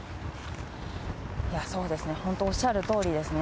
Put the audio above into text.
そうですね、本当おっしゃるとおりですね。